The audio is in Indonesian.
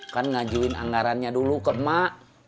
kan ngajuin anggarannya dulu ke mak